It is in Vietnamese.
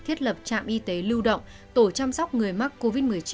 thiết lập trạm y tế lưu động tổ chăm sóc người mắc covid một mươi chín